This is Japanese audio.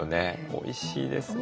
おいしいですね。